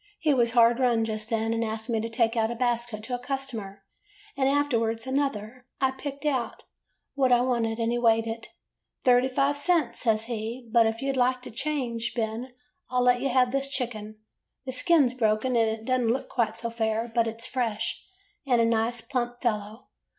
He was hard run just then, and asked me to take out a basket to a customer, and afterward another. I picked out what I wanted and he weighed it. [ 64 ] HOW BEN FOUND SANTA CLAUS 'Thirty five cents/ says he, 'but if you 'd like to change, Ben, I 'll let you have this chicken. The skin 's broken and it does n't look quite so fair; but it 's fresh, and a nice plump fellow.